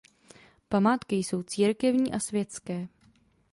Památky jsou církevní a světské.